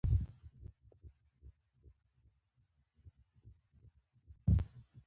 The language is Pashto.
افغان پسټ او کابل اریانا شرکتونه زر بارونه رسوي.